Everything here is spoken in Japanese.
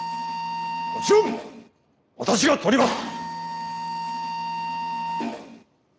もちろん私がとります！